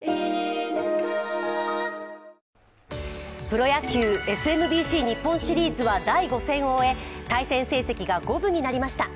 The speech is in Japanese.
プロ野球ＳＭＢＣ日本シリーズは第５戦を終え、対戦成績が五分になりました。